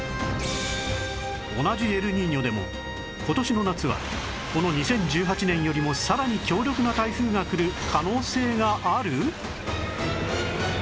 同じエルニーニョでも今年の夏はこの２０１８年よりもさらに強力な台風が来る可能性がある？